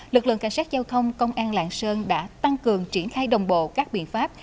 lực lượng cảnh sát giao thông công an lạng sơn đã tăng cường triển khai đồng bộ các biện pháp